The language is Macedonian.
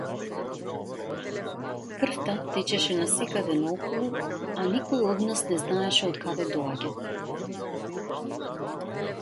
Крвта течеше насекаде наоколу, а никој од нас не знаеше од каде доаѓа.